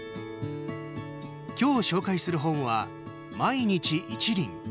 今日、紹介する本は「毎日、一輪。」